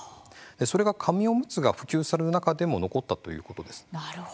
それが紙おむつが普及する中でも残ったということです。